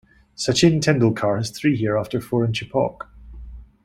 Sachin Tendulkar has three here after four in Chepauk.